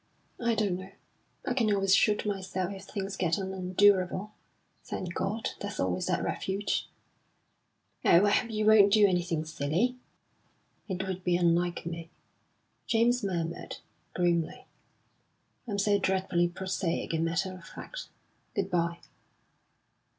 "I don't know I can always shoot myself if things get unendurable. Thank God, there's always that refuge!" "Oh, I hope you won't do anything silly!" "It would be unlike me," James murmured, grimly. "I'm so dreadfully prosaic and matter of fact. Good bye!"